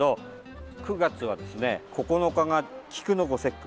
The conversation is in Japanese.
９月は９日が菊のご節句。